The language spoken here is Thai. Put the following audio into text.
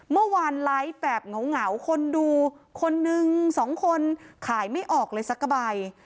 เมื่อวานไลฟ์แบบเหงาคนดูคนนึงสองคนขายไม่ออกเลยสักใบ